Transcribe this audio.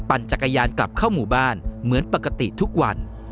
จักรยานกลับเข้าหมู่บ้านเหมือนปกติทุกวัน